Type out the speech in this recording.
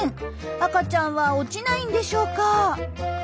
赤ちゃんは落ちないんでしょうか。